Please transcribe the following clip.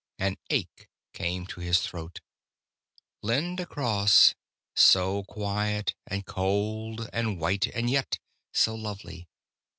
An ache came in his throat. Linda Cross, so quiet and cold and white, and yet so lovely.